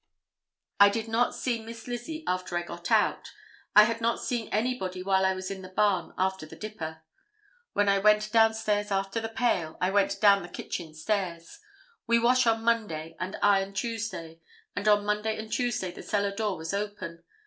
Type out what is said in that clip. I did not see Miss Lizzie after I got out; I had not seen anybody while I was in the barn after the dipper. When I went down stairs after the pail, I went down the kitchen stairs. We wash on Monday, and iron Tuesday, and on Monday and Tuesday the cellar door was open.